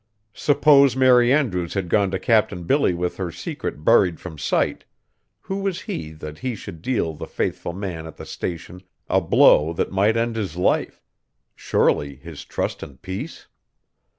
Suppose Mary Andrews had gone to Captain Billy with her secret buried from sight, who was he that he should deal the faithful man at the Station a blow that might end his life surely, his trust and peace?